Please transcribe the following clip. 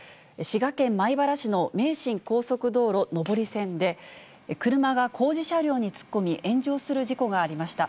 滋賀県米原市の名神高速道路上り線で、車が工事車両に突っ込み、炎上する事故がありました。